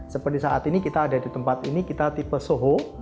seperti saat ini kita ada di tempat ini kita tipe soho